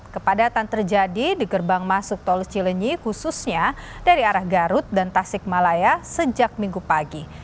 kepadatan terjadi di gerbang masuk tol cilenyi khususnya dari arah garut dan tasik malaya sejak minggu pagi